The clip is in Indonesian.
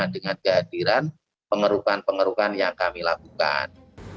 dengan kehadiran pengurukan pengurukan yang kami lakukan